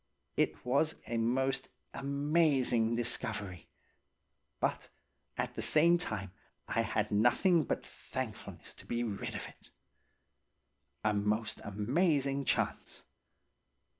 It was a most amazing discovery, but at the same time I had nothing but thankfulness to be rid of it. A most amazing chance.